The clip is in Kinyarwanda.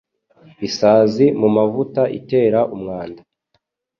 Isazi mu mavuta itera umwanda